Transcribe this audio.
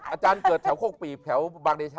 อาจารย์เกิดแถวโคกปีบแถวบางเดชา